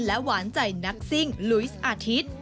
หวานใจนักซิ่งลุยสอาทิตย์